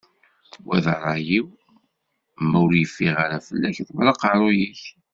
Wa d rray-iw, ma ur yeffiɣ ara fell-ak ḍebber aqerru-k.